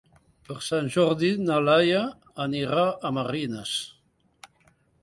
Per Sant Jordi na Laia anirà a Marines.